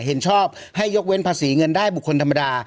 เห็นชอบให้ยกเว้นภาษีเงินได้บุคคลธรรมดา